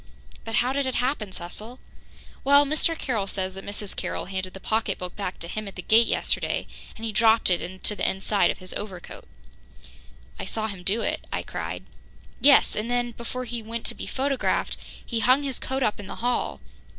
"But how did it happen, Cecil?" "Well, Mr. Carroll says that Mrs. Carroll handed the pocketbook back to him at the gate yesterday, and he dropped it in the inside pocket of his over coat " "I saw him do it," I cried. "Yes, and then, before he went to be photographed, he hung his coat up in the hall.